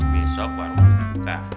besok warung bisa buka